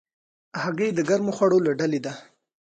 هګۍ د ګرمو خوړو له ډلې ده.